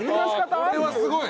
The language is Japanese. ああこれはすごい。